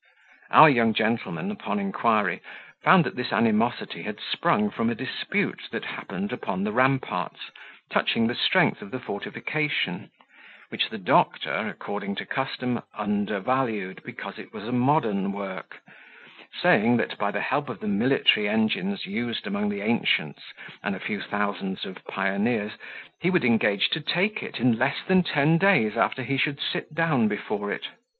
Our young gentleman, upon inquiry, found that this animosity had sprung from a dispute that happened upon the ramparts, touching the strength of the fortification, which the doctor, according to custom, undervalued, because it was a modern work; saying, that by the help of the military engines used among the ancients, and a few thousands of pioneers, he would engage to take it in less than ten days after he should sit down before it.